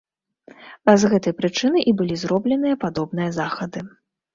З гэтай прычыны і былі зробленыя падобныя захады.